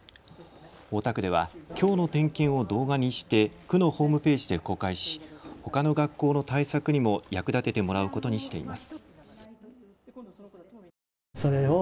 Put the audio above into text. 大田区ではきょうの点検を動画にして区のホームページで公開し、ほかの学校の対策にも役立ててもらうことにしています。